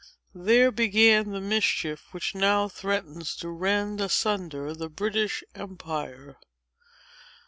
"There began the mischief which now threatens to rend asunder the British empire.